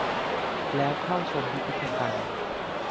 แล้วเข้าชมพิพิธภัณฑ์